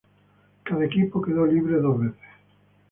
Cada equipo quedó libre dos veces.